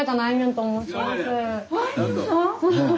んと申します。